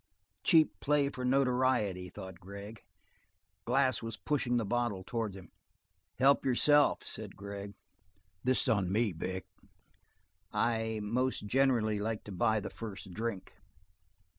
Cheap play for notoriety, thought Gregg; Glass was pushing the bottle towards him. "Help yourself," said Gregg. "This is on me, Vic." "I most generally like to buy the first drink."